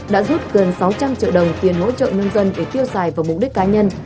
đã rút gần sáu trăm linh triệu đồng tiền hỗ trợ nông dân để tiêu xài vào mục đích cá nhân